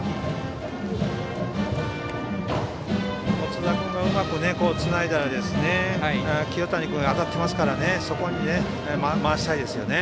津田君がうまくつないだら清谷君、当たっていますからそこに回したいですね。